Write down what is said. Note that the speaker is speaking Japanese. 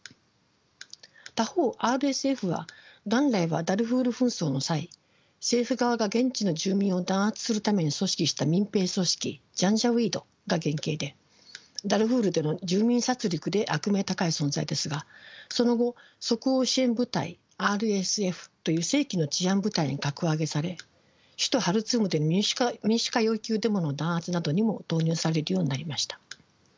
他方ＲＳＦは元来はダルフール紛争の際政府側が現地の住民を弾圧するために組織した民兵組織ジャンジャウィードが原型でダルフールでの住民殺りくで悪名高い存在ですがその後即応支援部隊ＲＳＦという正規の治安部隊に格上げされ首都ハルツームでの民主化要求デモの弾圧などにも投入されるようになりました。